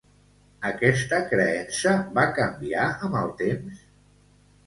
Aquesta creença va canviar amb el temps?